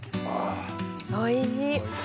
おいしい！